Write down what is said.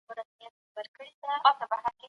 د بیان خاوندان باید راڅرګند شي.